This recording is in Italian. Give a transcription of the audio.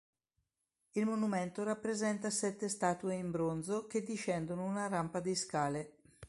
Il monumento rappresenta sette statue in bronzo che discendono una rampa di scale.